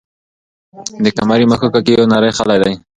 د قمرۍ مښوکه کې یو نری خلی دی.